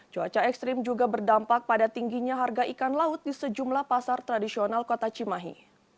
cuaca ekstrim juga berdampak pada tingginya harga ikan laut di sejumlah pasar tradisional kota cimahi